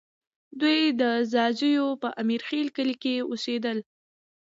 دوی د ځاځیو په امیرخېل کلي کې اوسېدل